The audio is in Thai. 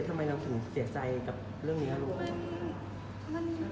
ทำไมเราถึงเสียใจกับเรื่องนี้ลูก